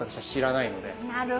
なるほど。